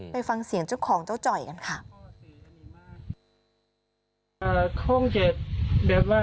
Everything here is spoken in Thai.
ไปฟังเสียงเจ้าของเจ้าจ่อยกันค่ะ